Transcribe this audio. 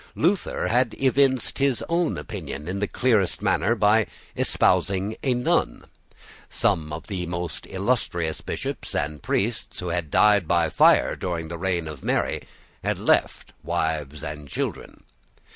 Luther had evinced his own opinion in the clearest manner, by espousing a nun. Some of the most illustrious bishops and priests who had died by fire during the reign of Mary had left wives and children.